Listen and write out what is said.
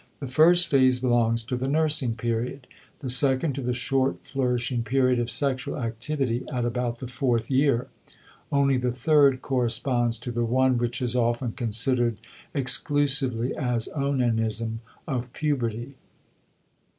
The first phase belongs to the nursing period, the second to the short flourishing period of sexual activity at about the fourth year, only the third corresponds to the one which is often considered exclusively as onanism of puberty.